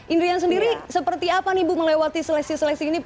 indrian sendiri seperti apa nih bu melewati seleksi seleksi ini